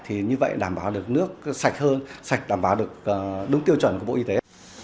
thì như vậy đảm bảo được nước sạch hơn sạch đảm bảo được đúng tiêu chuẩn của bộ y tế